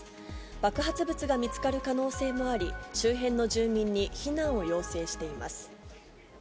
爆発物が見つかる可能性もあり、周辺の住民に避難を要請しています。